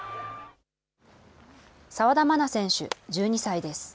澤田茉奈選手１２歳です。